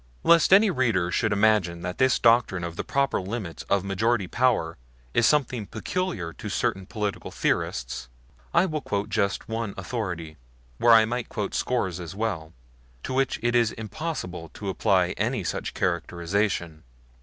Lest any reader should imagine that this doctrine of the proper limits of majority power is something peculiar to certain political theorists, I will quote just one authority where I might quote scores as well to which it is impossible to apply any such characterization.